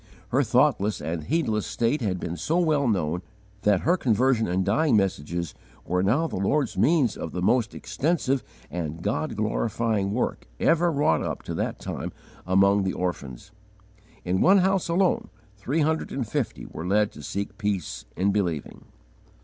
Her thoughtless and heedless state had been so well known that her conversion and dying messages were now the Lord's means of the most extensive and God glorifying work ever wrought up to that time among the orphans. In one house alone three hundred and fifty were led to seek peace in believing.